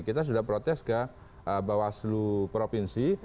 kita sudah protes ke bawah seluruh provinsi